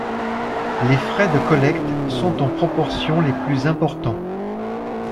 Les frais de collecte sont en proportion les plus importants.